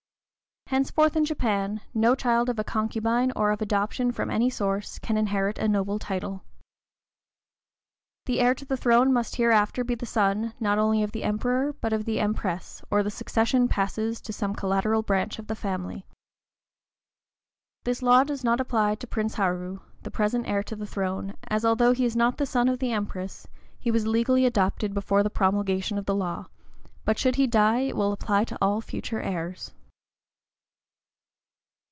Henceforth in Japan, no child of a concubine, or of adoption from any source, can inherit a noble title. The heir to the throne must hereafter be the son, not only of the Emperor, but of the Empress, or the succession passes to some collateral branch of the family. This law does not apply to Prince Haru, the present heir to the throne, as, although he is not the son of the Empress, he was legally adopted before the promulgation of the law; but should he die, it will apply to all future heirs.